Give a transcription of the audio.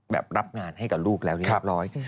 แบบรับงานให้กับลูกแล้วเรียบร้อย